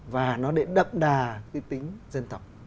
và nó để đậm đà cái tính dân tộc